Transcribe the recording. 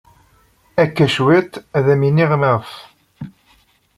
Akka cwiṭ ad am-iniɣ maɣef.